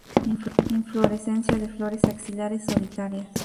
Inflorescencia de flores axilares solitarias.